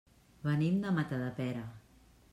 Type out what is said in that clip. Venim de Matadepera.